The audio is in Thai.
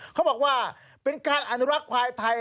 เขาบอกว่าเป็นการอนุรักษ์ควายไทย